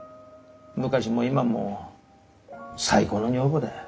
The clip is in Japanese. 昔も今も最高の女房だよ。